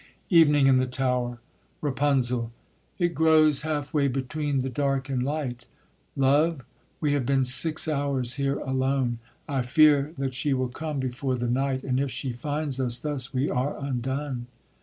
Evening in the tower. RAPUNZEL. It grows half way between the dark and light; Love, we have been six hours here alone: I fear that she will come before the night, And if she finds us thus we are undone.